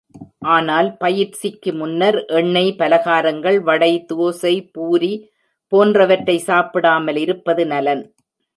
ஆனால் பயிற்சிக்கு முன்னர் எண்ணெய் பலகாரங்கள், வடை, தோசை, பூரி போன்றவற்றை சாப்பிடாமல் இருப்பது நலன்.